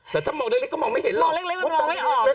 แต่ถ้ามองเล็กก็มองไม่เห็นหรอกมองเล็กมันมองไม่ออก